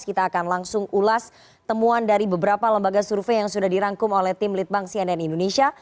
kita akan langsung ulas temuan dari beberapa lembaga survei yang sudah dirangkum oleh tim litbang cnn indonesia